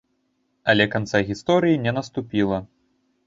Але канца гісторыі не наступіла.